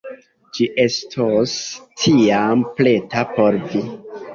Ĝi estos ĉiam preta por vi.